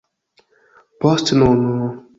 Post nun...